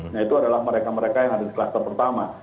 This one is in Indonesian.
nah itu adalah mereka mereka yang ada di kluster pertama